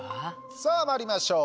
さあまいりましょう。